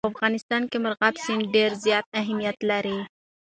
په افغانستان کې مورغاب سیند ډېر زیات اهمیت لري.